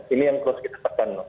ini yang terus kita tekan